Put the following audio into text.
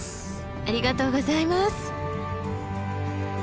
ありがとうございます！